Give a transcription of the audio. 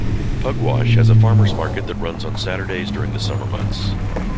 Pugwash has a farmers market that runs on Saturdays during the summer months.